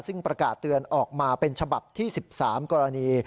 ซึ่งประกาศเตือนออกมาเป็นฉบับที่๑๓กรณี